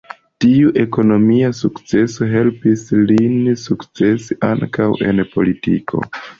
Tiu ekonomia sukceso helpis lin sukcesi ankaŭ en politiko.